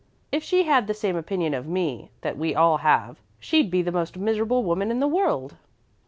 If she had the same opinion of me that we all have she'd be the most miserable woman in the world."